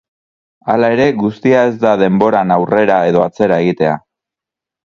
Hala ere, guztia ez da denboran aurrera edo atzera egitea.